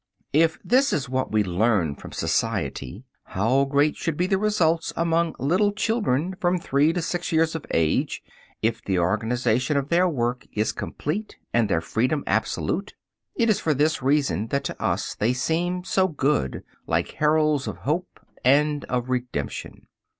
If this is what we learn from society, how great should be the results among little children from three to six years of age if the organization of their work is complete, and their freedom absolute? It is for this reason that to us they seem so good, like heralds of hope and of redemption.